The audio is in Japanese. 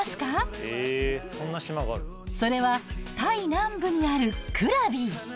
それはタイ南部にあるクラビ！